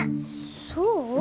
そう？